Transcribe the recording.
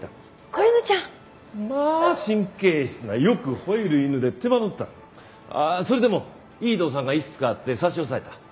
まあ神経質なよくほえる犬で手間取ったがそれでもいい動産がいくつかあって差し押さえた。